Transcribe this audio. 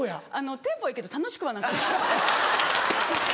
テンポはいいけど楽しくはなかった。